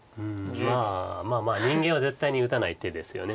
まあまあまあ人間は絶対に打たない手ですよね。